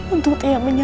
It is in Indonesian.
untuk tiap menyerah